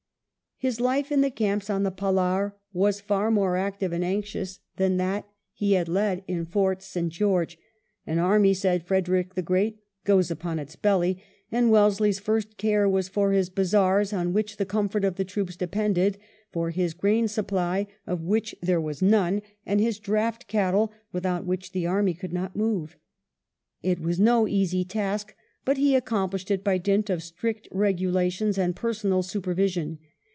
His life in the camps on the Palar was far more active and anxious than that he had led in Fort St. George. An army, said Frederick the Great, "goes upon its belly"; and Wellesley's first care was for his bazaars, on which the comfort of the troops depended, for his grain supply, of which there was none, and his draught cattle, without which the army could not move. It was no easy task, but he accomplished it by dint of strict regulations and personal supervision.